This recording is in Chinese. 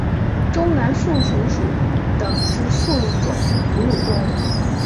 中南树鼠属等之数种哺乳动物。